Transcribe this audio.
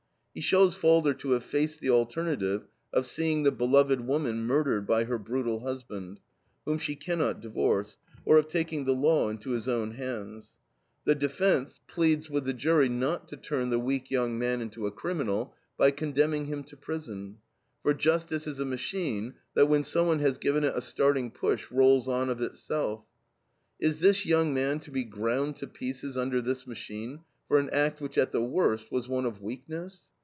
He shows Falder to have faced the alternative of seeing the beloved woman murdered by her brutal husband, whom she cannot divorce; or of taking the law into his own hands. The defence pleads with the jury not to turn the weak young man into a criminal by condemning him to prison, for "justice is a machine that, when someone has given it a starting push, rolls on of itself.... Is this young man to be ground to pieces under this machine for an act which, at the worst, was one of weakness?